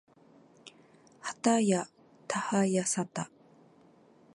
はたやたはやさた